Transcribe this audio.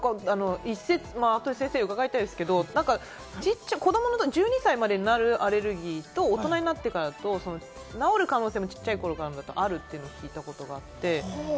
後で先生に伺いたいんですけれども、子どものころ、１２歳までになるアレルギーと大人になってからと、治る可能性も小っちゃい頃からあると聞いたことがあって。